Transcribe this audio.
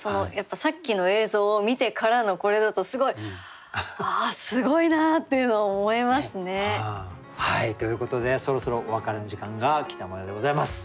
さっきの映像を見てからのこれだとすごいああすごいなっていうのを思いますね。ということでそろそろお別れの時間が来たもようでございます。